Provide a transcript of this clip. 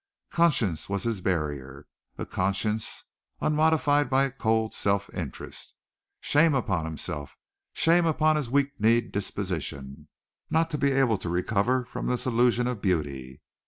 Conscience was his barrier, a conscience unmodified by cold self interest. Shame upon himself! Shame upon his weak kneed disposition, not to be able to recover from this illusion of beauty.